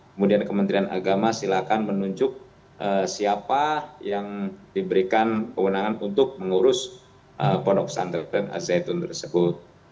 kemudian kementerian agama silahkan menunjuk siapa yang diberikan kewenangan untuk mengurus ponok santren azayatun tersebut